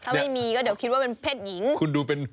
ถ้าไม่มีก็เดี๋ยวคิดว่าเป็นเพศหญิง